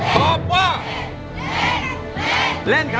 ตอบว่า